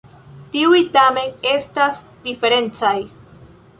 Tiuj tamen estas diferencaj.